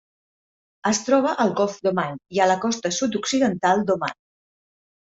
Es troba al Golf d'Oman i a la costa sud-occidental d'Oman.